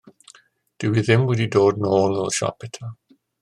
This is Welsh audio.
Dyw hi ddim wedi dod nôl o'r siop eto.